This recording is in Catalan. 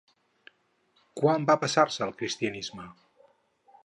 Quan va passar-se al cristianisme?